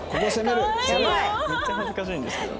めっちゃ恥ずかしいんですけど。